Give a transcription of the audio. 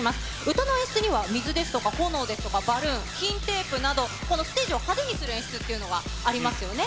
歌の演出には水ですとか炎、バルーン、金テープなど、ステージを派手にする演出というのが、ありますよね。